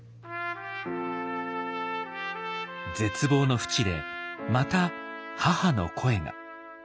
絶望のふちでまた母の声が。